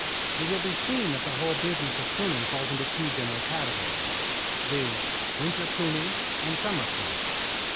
It will be seen that the whole business of pruning falls into two general categories, viz., winter pruning and summer pruning.